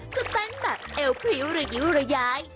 จะเต้นแบบเอวพริ้วระยิ้วระย้าย